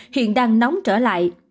hiện đang nóng trở lại